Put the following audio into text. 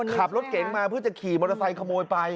ขับรถเก๋งมาเพื่อจะขี่มอเตอร์ไซค์ขโมยไป